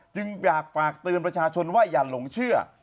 จึงอยากฝากเตือนประชาชนว่าอย่าหลงเชื่อ